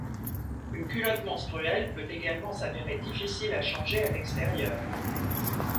Une culotte menstruelle peut également s'avérer difficile à changer à l'extérieur.